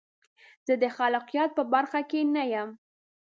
زه د خلاقیت په برخه کې نه یم.